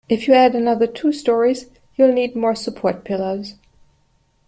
If you add another two storeys, you'll need more support pillars.